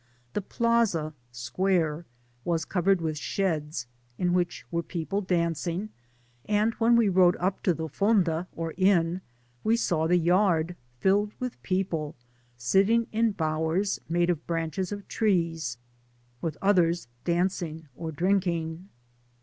The Plaza (square) was covered with sheds, in which were people dancing, and when we rode up to the fonda, or inn, we saw the yard filled with people, sitting in bowers made of branches of trees, with others dancing or drinking.